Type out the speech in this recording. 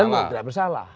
pengadilan tidak bersalah